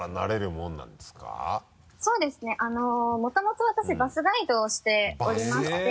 もともと私バスガイドをしておりまして。